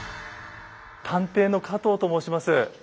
探偵の加藤と申します。